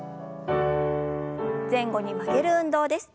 前後に曲げる運動です。